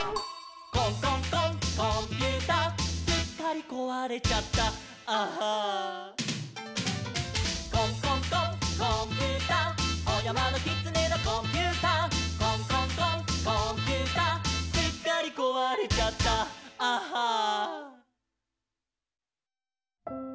「コンコンコンコンピューター」「すっかりこわれちゃった」「ＡＨＨＡ」「コンコンコンコンーピューター」「おやまのきつねのコンピューター」「コンコンコンコンーピューター」「すっかりこわれちゃった」「ＡＨＨＡ」